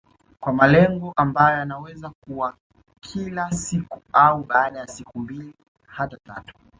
Kwa malengo ambayo yanaweza kuwa kila siku au baada ya siku mbili hadi tatu